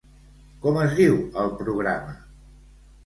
Com es diu el programa?